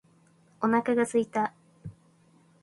お腹が空いた。